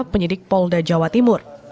penyidik polda jawa timur